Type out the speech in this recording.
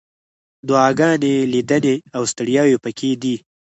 دعاګانې، لیدنې، او ستړیاوې پکې دي.